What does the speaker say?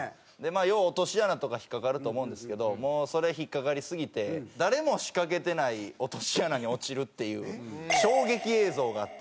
よう落とし穴とか引っかかると思うんですけどもうそれ引っかかりすぎて誰も仕掛けてない落とし穴に落ちるっていう衝撃映像があって。